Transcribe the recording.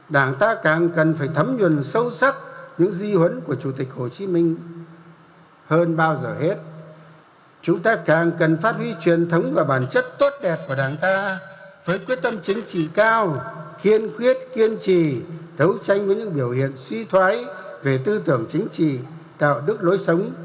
đảng ta đã tạo ra những biểu hiện suy thoái về tư tưởng chính trị đạo đức lối sống